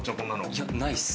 いやないです。